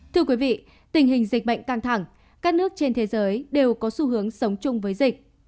thưa quý vị tình hình dịch bệnh căng thẳng các nước trên thế giới đều có xu hướng sống chung với dịch